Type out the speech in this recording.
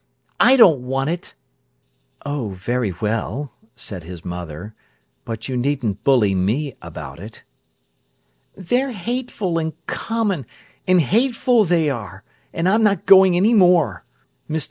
"I don't want it." "Oh, very well," said his mother. "But you needn't bully me about it." "They're hateful, and common, and hateful, they are, and I'm not going any more. Mr.